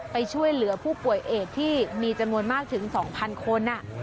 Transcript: ไปช่วยเหลือผู้ป่วยเอดที่มีจำนวนมากถึง๒๐๐คน